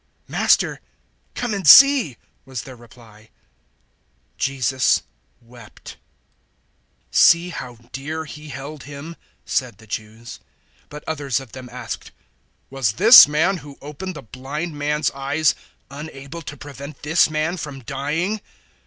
"Master, come and see," was their reply. 011:035 Jesus wept. 011:036 "See how dear he held him," said the Jews. 011:037 But others of them asked, "Was this man who opened the blind man's eyes unable to prevent this man from dying?"